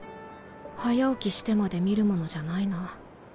早起きしてまで見るものじゃないな